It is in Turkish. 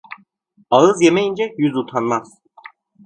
Ağız yemeyince yüz utanmaz.